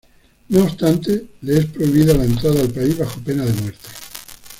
No obstante le es prohibido la entrada al país bajo pena de muerte.